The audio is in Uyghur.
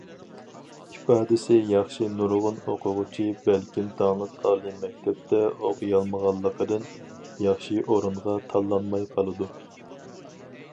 ئىپادىسى ياخشى نۇرغۇن ئوقۇغۇچى بەلكىم داڭلىق ئالىي مەكتەپتە ئوقۇيالمىغانلىقىدىن ياخشى ئورۇنغا تاللانماي قالىدۇ.